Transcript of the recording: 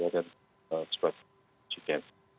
dan sebagai jiken